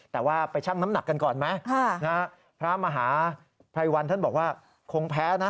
แต่ว่าไปชั่งน้ำหนักกันก่อนไหมพระมหาภัยวันท่านบอกว่าคงแพ้นะ